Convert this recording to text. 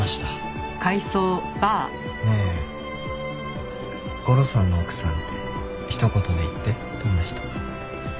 ねえゴロさんの奥さんって一言で言ってどんな人？